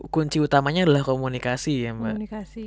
kunci utamanya adalah komunikasi ya mbak